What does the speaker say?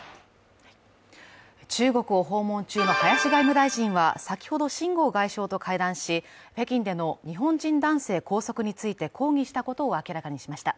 中国を訪問中の林外務大臣は先ほど秦剛外相と会談し、北京での日本人男性拘束について抗議したことを明らかにしました。